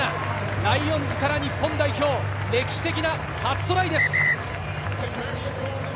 ライオンズから日本代表、歴史的な初トライです。